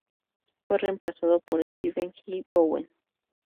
Fue reemplazado por Stephen G. Bowen.